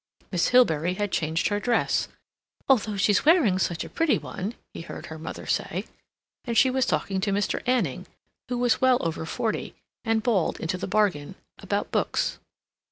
Miss Hilbery had changed her dress ("although she's wearing such a pretty one," he heard her mother say), and she was talking to Mr. Anning, who was well over forty, and bald into the bargain, about books.